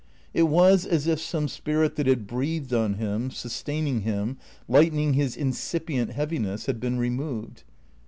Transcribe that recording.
It was as if some spirit that had breathed on him, sustaining him, lightening his incipient heaviness, had been removed.